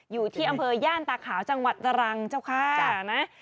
อยู่ที่อำเภวย่านตาขาวจังหวัดจรัง